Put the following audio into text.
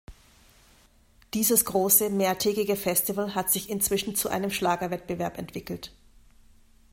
Dieses große, mehrtägige Festival hat sich inzwischen zu einem Schlagerwettbewerb entwickelt.